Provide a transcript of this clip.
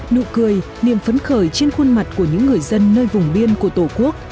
nụ cười niềm phấn khởi trên khuôn mặt của những người dân nơi vùng biên của tổ quốc